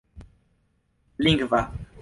lingva